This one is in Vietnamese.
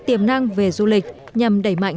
tiềm năng về du lịch nhằm đẩy mạnh